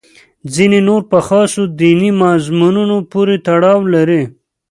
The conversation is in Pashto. ځینې نور په خاصو دیني منظومو پورې تړاو لري.